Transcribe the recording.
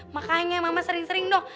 makanya mama sering sering dok